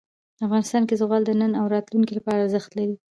افغانستان کې زغال د نن او راتلونکي لپاره ارزښت لري.